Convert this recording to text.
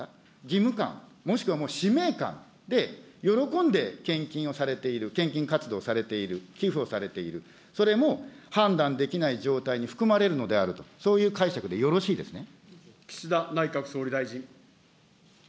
義務感、もしくは使命感で、喜んで献金をされている、献金活動をされている、寄付をされている、それも判断できない状態に含まれるのであると、岸田内閣総理大臣。